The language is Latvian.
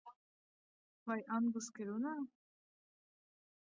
Vai angliski runā?